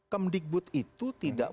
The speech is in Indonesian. kemdikbud itu tidak